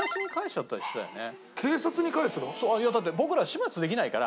だって僕らは始末できないから。